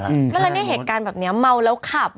ก็เลยเนื่องที่เหตุการณ์แบบนี้เมาแล้วขับ